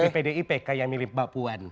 tapi pdip kayak milih papuan